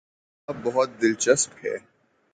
یہ کتاب بہت دلچسپ ہے